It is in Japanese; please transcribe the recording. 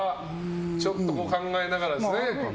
ちょっと考えながらですね。